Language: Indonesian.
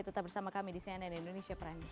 tetap bersama kami di cnn indonesia prime news